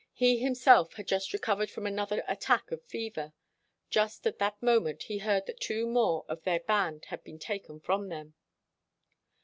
He himself had just recovered from another attack of fever. Just at that moment, he heard that two more of their band had been taken from them.